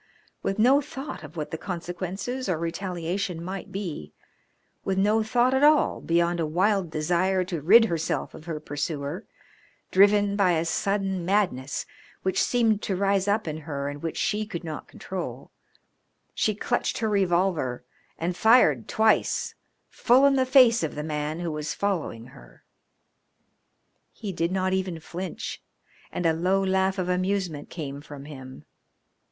With no thought of what the consequences or retaliation might be, with no thought at all beyond a wild desire to rid herself of her pursuer, driven by a sudden madness which seemed to rise up in her and which she could not control, she clutched her revolver and fired twice, full in the face of the man who was following her. He did not even flinch and a low laugh of amusement came from him.